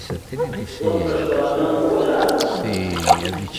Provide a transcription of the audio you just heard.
زو فݰٹونیم غولاریم